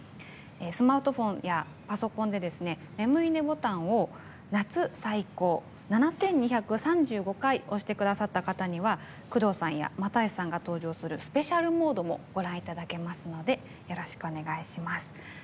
スマートフォンやパソコンで眠いいねボタンを７２３５回押してくださった方には宮藤さんや、又吉さんが登場するスペシャルモードもご覧いただけますのでよろしくお願いします。